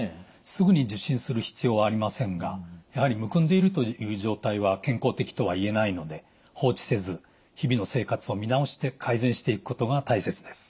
すぐに受診する必要はありませんがやはりむくんでいるという状態は健康的とはいえないので放置せず日々の生活を見直して改善していくことが大切です。